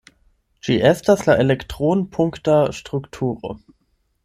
Ĝi estas la elektron-punkta strukturo.